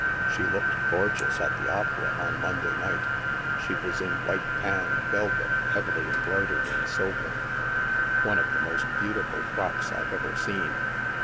She looked gorgeous at the Opera, on Mon day night ; she was in white panne velvet heavily em broidered in silver, — one of the most beautiful frocks I've ever seen.